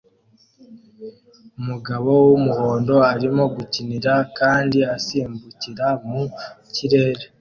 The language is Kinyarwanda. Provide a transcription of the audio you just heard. Umugabo wumuhondo arimo gukinira kandi asimbukira mu kirere